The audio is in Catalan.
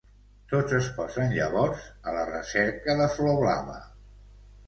Tots es posen llavors a la recerca de Flor Blava.